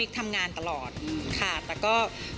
ทำงานตลอดค่ะแต่ก็